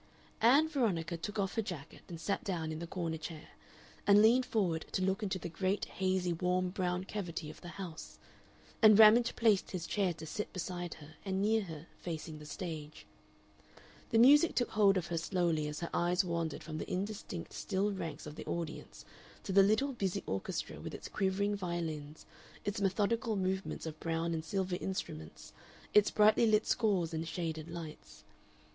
Ann Veronica took off her jacket and sat down in the corner chair, and leaned forward to look into the great hazy warm brown cavity of the house, and Ramage placed his chair to sit beside her and near her, facing the stage. The music took hold of her slowly as her eyes wandered from the indistinct still ranks of the audience to the little busy orchestra with its quivering violins, its methodical movements of brown and silver instruments, its brightly lit scores and shaded lights.